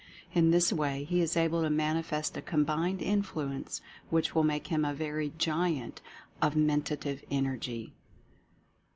In this way he is able to manifest a com bined influence which will make him a very giant of Mentative Energy.